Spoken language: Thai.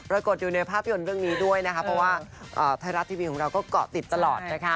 กดอยู่ในภาพยนตร์เรื่องนี้ด้วยนะคะเพราะว่าไทยรัฐทีวีของเราก็เกาะติดตลอดนะคะ